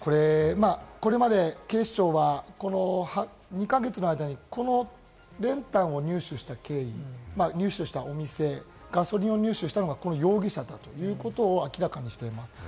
これまで警視庁は２か月の間に練炭を入手した経緯、入手したお店が、それを入手したのがこの容疑者だということを明らかにしています。